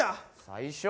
最初？